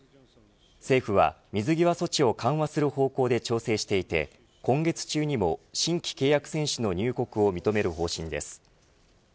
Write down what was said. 政府は水際措置を緩和する方向で調整していて今月中にも新規契約選手の入国を認める方針です。